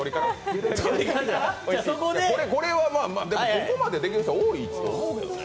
ここまでできる人は多いと思いますけどね。